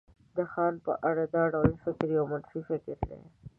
د ځان په اړه دا ډول فکر يو منفي فکر دی.